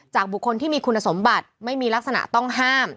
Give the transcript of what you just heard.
บุคคลที่มีคุณสมบัติไม่มีลักษณะต้องห้าม